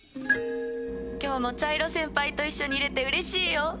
今日も茶色先輩と一緒にいれてうれしいよ。